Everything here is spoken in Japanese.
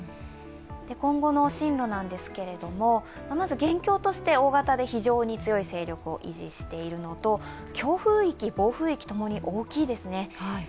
今後の進路なんですけれども現況として大型で非常に強い勢力を維持しているのと強風域、暴風域ともに大きいですね